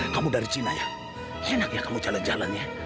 sampai jumpa di video selanjutnya